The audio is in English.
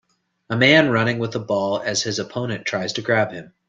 A man running with a ball as his opponent tries to grab him.